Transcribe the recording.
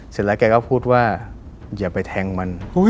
เสร็จแล้วแกก็พูดว่าอย่าไปแทงมัน